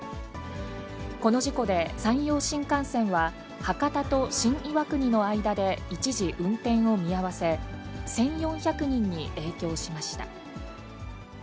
この事故で、山陽新幹線は、博多と新岩国の間で一時、運転を見合わせ、１４００人に影響しました。